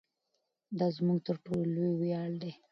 دا زموږ تر ټولو لوی ویاړ دی.